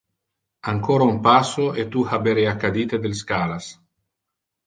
Ancora un passo, e tu haberea cadite del scalas.